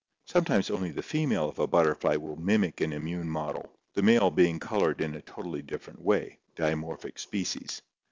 Sometimes only the female of a butterfly will mimic an immune model, the male being colored in a totally different way (dimorphic species).